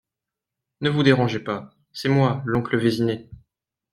Ne vous dérangez pas… c’est moi, l’oncle Vézinet…